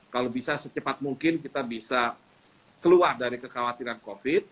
kalau bisa secepat mungkin kita bisa keluar dari kekhawatiran covid